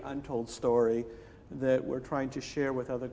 pertama cerita bri adalah cerita yang tidak dikatakan